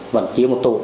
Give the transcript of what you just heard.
vẫn kia một tổ